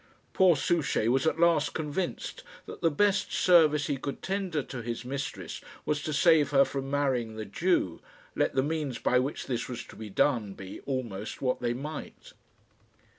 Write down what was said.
Poor Souchey was at last convinced that the best service he could tender to his mistress was to save her from marrying the Jew, let the means by which this was to be done be, almost, what they might.